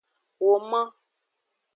Woman.